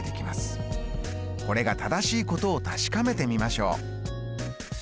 これが正しいことを確かめてみましょう。